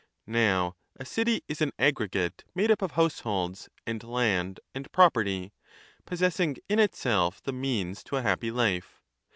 Now a city is an aggregate made up of households and land 10 and property, possessing in itself the means to a happy life.